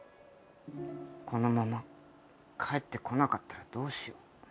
このまま帰ってこなかったらどうしよう？